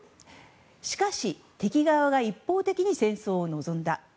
しかし、敵側が一方的に戦争を望んだ。